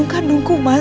kejian dulu mas